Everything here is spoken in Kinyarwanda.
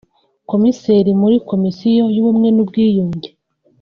Komiseri muri Komisiyo y’Ubumwe n’Ubwiyunge